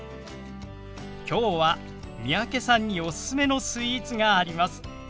きょうは三宅さんにおすすめのスイーツがあります。